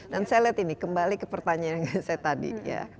dan saya lihat ini kembali ke pertanyaan saya tadi ya